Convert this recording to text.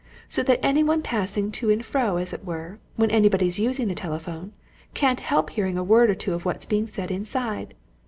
So that any one passing to and fro, as it were, when anybody's using the telephone, can't help hearing a word or two of what's being said inside.